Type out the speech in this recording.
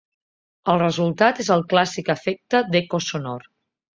El resultat és el clàssic efecte d'eco sonor.